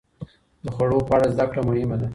د خوړو په اړه زده کړه مهمه ده.